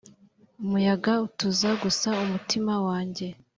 umuyaga utuza gusa umutima wanjye.